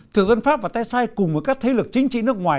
thực dân pháp và tay sai cùng với các thế lực chính trị nước ngoài